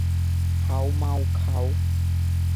How মাউ খাউ।